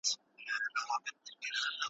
ممکن دا اقتصادي شرایط زموږ لپاره ګټور ثابت سي.